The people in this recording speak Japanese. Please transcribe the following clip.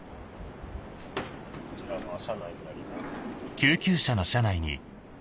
こちらが車内となります。